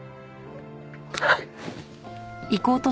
はい。